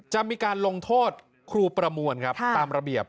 จะมีการลงโทษครูประมวลครับตามระเบียบ